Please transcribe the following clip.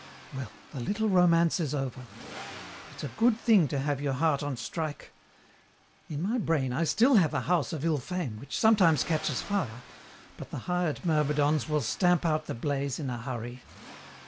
"Well, the little romance is over. It's a good thing to have your heart on strike. In my brain I still have a house of ill fame, which sometimes catches fire, but the hired myrmidons will stamp out the blaze in a hurry.